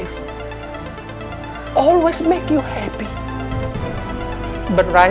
selalu membuatmu bahagia